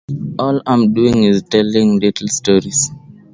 All I'm doing is telling little stories.